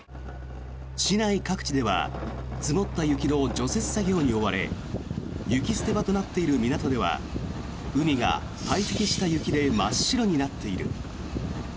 市内各地では積もった雪の除雪作業に追われ雪捨て場となっている港では海が、たい積した雪で真っ白になっている。